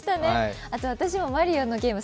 私もマリオのゲーム